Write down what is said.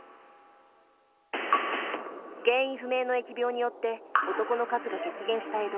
原因不明の疫病によって男の数が激減した江戸。